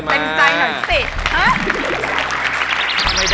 เต็มใจหน่อยสิ